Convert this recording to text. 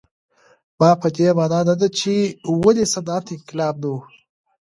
دا په دې معنا نه ده چې ولې صنعتي انقلاب نه و.